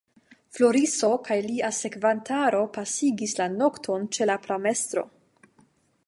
Floriso kaj lia sekvantaro pasigis la nokton ĉe la pramestro.